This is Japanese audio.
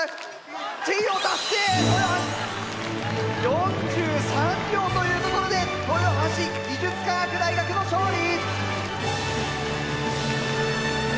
４３秒というところで豊橋技術科学大学の勝利！